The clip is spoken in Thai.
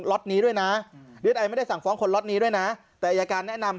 ็อตนี้ด้วยนะฤทัยไม่ได้สั่งฟ้องคนล็อตนี้ด้วยนะแต่อายการแนะนำ